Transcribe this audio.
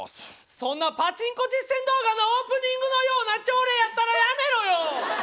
そんなパチンコ実践動画のオープニングのような朝礼やったらやめろよ！